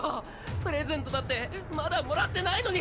プレゼントだってまだもらってないのに！